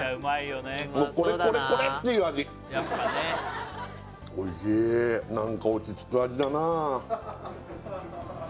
これこれこれっていう味おいしいなんか落ち着く味だな